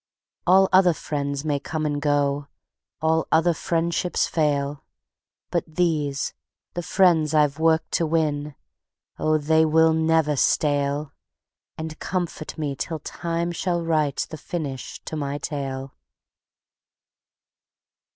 All other friends may come and go, All other friendships fail; But these, the friends I've worked to win, Oh, they will never stale; And comfort me till Time shall write The finish to my tale.